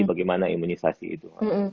bagaimana imunisasi itu